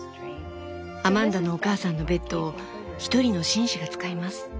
アマンダのお母さんのベッドを１人の紳士が使います。